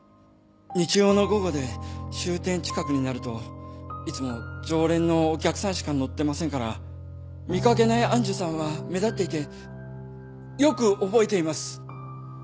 日曜の午後で終点近くになるといつも常連のお客さんしか乗ってませんから見掛けない愛珠さんは目立っていてよく覚えています。